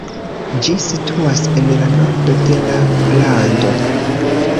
Ĝi situas en la nordo de la lando.